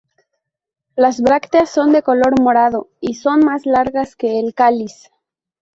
Las brácteas son de color morado y son más largas que el cáliz.